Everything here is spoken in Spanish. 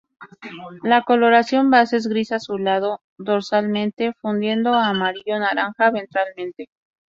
La coloración base es gris azulado dorsalmente, fundiendo a amarillo-naranja ventralmente.